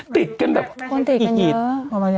ติดกันแบบคนติดกันเยอะ